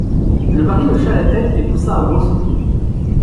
Le mari hocha la tête et poussa un gros soupir.